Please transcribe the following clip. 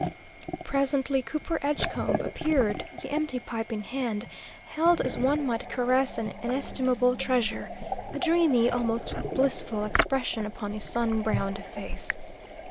Presently Cooper Edgecombe appeared, the empty pipe in hand, held as one might caress an inestimable treasure, a dreamy, almost blissful expression upon his sun browned face.